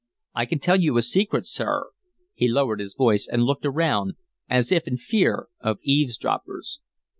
I can tell you a secret, sir." He lowered his voice and looked around, as if in fear of eavesdroppers.